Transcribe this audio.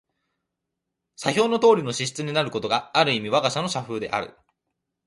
左表のとおりの支出になることが、ある意味わが社の社風である。